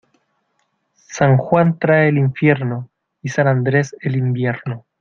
San Juan trae el infierno, y San Andrés el invierno.